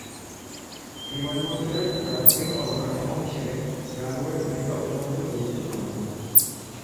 বিমানবন্দরের প্রাথমিক অবকাঠামো হিসেবে রানওয়ের ভূমিকা অত্যন্ত গুরুত্বপূর্ণ।